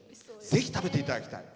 ぜひ食べていただきたい。